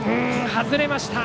外れました。